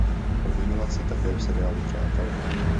Objevila se také v seriálu "Přátelé".